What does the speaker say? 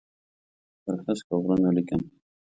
پر هسکو غرونو لیکم